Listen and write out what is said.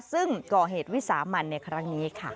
ซึ่งก่อเหตุวิสามันในครั้งนี้ค่ะ